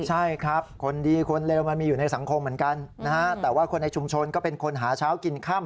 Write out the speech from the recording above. ใช่ครับคนดีคนเลวมันมีอยู่ในสังคมเหมือนกันนะฮะแต่ว่าคนในชุมชนก็เป็นคนหาเช้ากินค่ำ